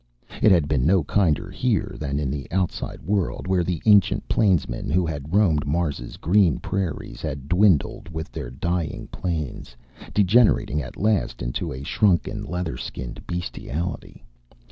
It had been no kinder here than in the outside world, where the ancient plains men who had roamed Mars' green prairies had dwindled with their dying plains, degenerating at last into a shrunken, leather skinned bestiality.